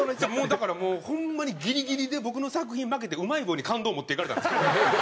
だからもうホンマにギリギリで僕の作品負けてうまい棒に感動を持っていかれたんです。